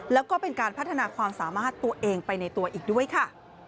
แล้วก็เป็นการพัฒนาความสามารถตัวเองไปในตัวอีกด้วยค่ะ